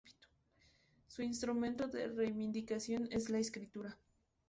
Su instrumento de reivindicación es la escritura.